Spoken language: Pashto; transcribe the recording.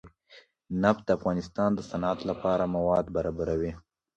نفت د افغانستان د صنعت لپاره مواد برابروي.